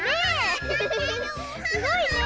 すごいね！